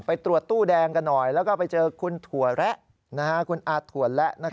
ไปตรวจตู้แดงกันหน่อยแล้วก็ไปเจอคุณถั่วแหละนะฮะ